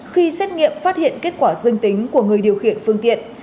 khi xét nghiệm phát hiện kết quả dương tính của người điều khiển phương tiện